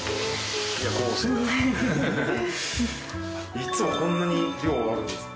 いつもこんなに量あるんですか？